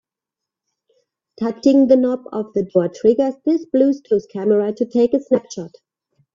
Touching the knob of the door triggers this Bluetooth camera to take a snapshot.